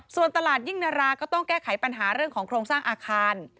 ส่วนตลาดยิ่งนาราก็ต้องแก้ไขปัญหาเรื่องของโครงสร้างอาคาร